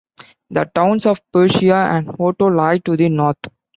The towns of Persia and Otto lie to the north.